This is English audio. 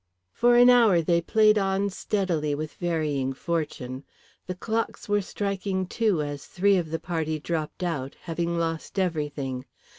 For an hour they played on steadily with varying fortune. The clocks were striking two as three of the party dropped out, having lost everything.